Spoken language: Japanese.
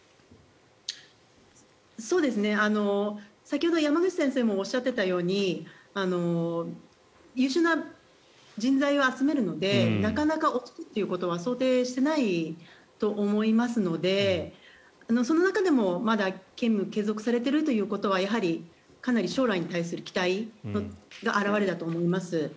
先ほど山口先生もおっしゃっていたように優秀な人材を集めるのでなかなか落ちるということは想定していないと思いますのでその中でも、まだ勤務を継続されているということはやはりかなり将来に対する期待の表れだと思います。